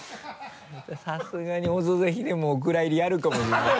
さすがに「オドぜひ」でもお蔵入りあるかもしれない。